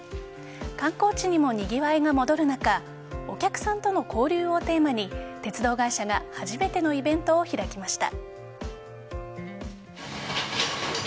観光地にもにぎわいが戻る中お客さんとの交流をテーマに鉄道会社が初めてのイベントを開きました。